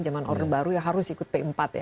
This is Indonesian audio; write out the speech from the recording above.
zaman orde baru ya harus ikut p empat ya